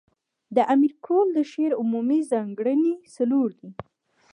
د امیر کروړ د شعر عمومي ځانګړني، څلور دي.